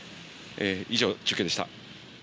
以上、中継でした。